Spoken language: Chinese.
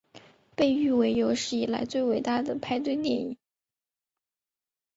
被誉为有史以来最伟大的派对电影。